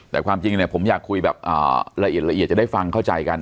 แต่ความจริงเนี่ยผมอยากคุยแบบละเอียดละเอียดจะได้ฟังเข้าใจกัน